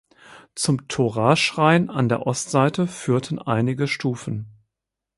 Zum Toraschrein an der Ostseite führten einige Stufen.